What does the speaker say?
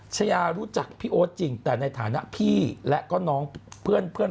ชายารู้จักพี่โอ๊ตจริงแต่ในฐานะพี่และก็น้องเพื่อน